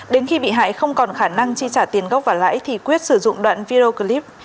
đến khi bị hại không còn khả năng chi trả tiền gốc và lãi thì quyết sử dụng đoạn video clip